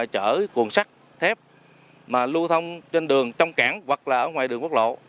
chở cuồn sắt thép mà lưu thông trên đường trong cảng hoặc là ở ngoài đường quốc lộ